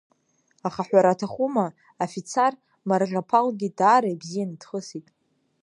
Аха, ҳәара аҭахума, афицар марӷьаԥалгьы даара ибзианы дхысит.